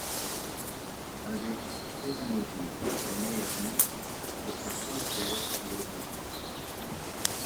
Al ventisettesimo giro René Arnoux sorpassò Derek Warwick.